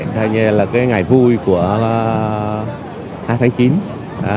hay như là cái ngày vui của hai tháng chín